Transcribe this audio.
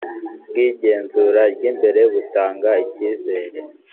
bw igenzura ry imbere butanga icyizere